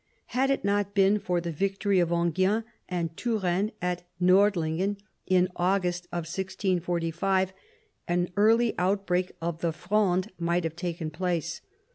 Had it not been for the victory of Enghien and Turenne at Nordlingen in August 1645, an early outbreak of the Fronde might have taken place.